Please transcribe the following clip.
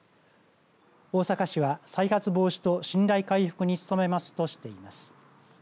大阪市は再発防止と信頼回復に努めますとしています。